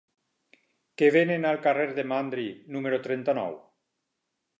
Què venen al carrer de Mandri número trenta-nou?